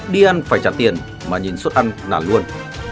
đi ăn phải chặt tiền mà nhìn suất ăn nản luôn